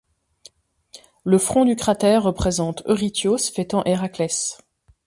Le front du cratère représente Eurytios fêtant Herakles.